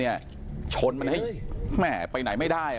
เขาก็เชิญมันให้แม้ไปไหนไม่ได้อ่ะ